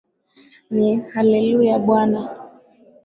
Ni hallelujah, Bwana